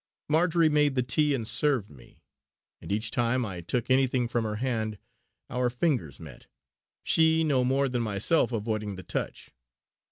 Marjory made the tea and served me; and each time I took anything from her hand our fingers met, she no more than myself avoiding the touch.